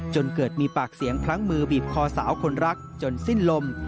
จนเกิดมีปากเสียงพลั้งมือบีบคอสาวคนรักจนสิ้นลม